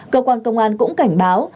cơ quan công an cũng cảnh báo